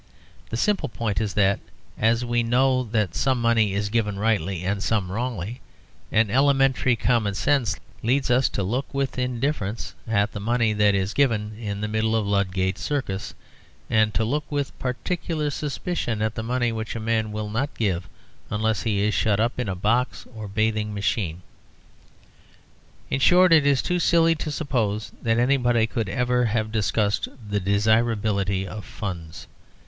The simple point is that, as we know that some money is given rightly and some wrongly, an elementary common sense leads us to look with indifference at the money that is given in the middle of Ludgate Circus, and to look with particular suspicion at the money which a man will not give unless he is shut up in a box or a bathing machine. In short, it is too silly to suppose that anybody could ever have discussed the desirability of funds.